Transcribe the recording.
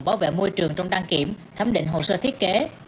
bảo vệ môi trường trong đăng kiểm thẩm định hồ sơ thiết kế